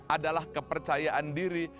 adalah kepercayaan diri